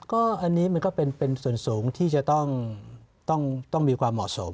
ก็อันนี้มันก็เป็นส่วนสูงที่จะต้องมีความเหมาะสม